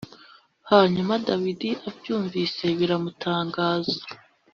Hanyuma Dawidi abyumvise biramutangaza